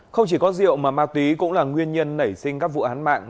không chỉ có rượu mà ma túy cũng là nguyên nhân nảy sinh các vụ án mạng